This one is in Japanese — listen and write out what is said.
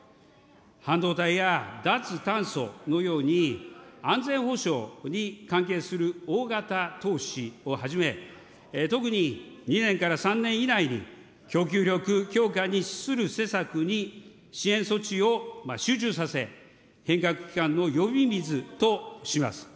半導体や脱炭素のように、安全保障に関係する大型投資をはじめ、特に２年から３年以内に供給力強化に資する施策に支援措置を集中させ、変革期間の呼び水とします。